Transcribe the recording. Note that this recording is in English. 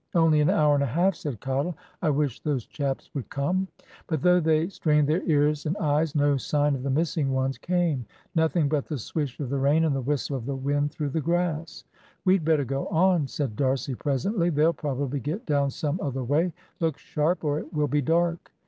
"Only an hour and a half," said Cottle; "I wish those chaps would come." But though they strained their ears and eyes, no sign of the missing ones came; nothing but the swish of the rain and the whistle of the wind through the grass. "We'd better go on," said D'Arcy presently; "they'll probably get down some other way. Look sharp, or it will be dark."